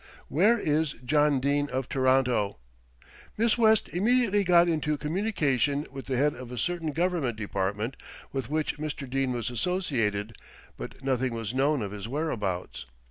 ~WHERE IS JOHN DENE OF TORONTO?~ "Miss West immediately got into communication with the head of a certain Government department with which Mr. Dene was associated; but nothing was known of his whereabouts.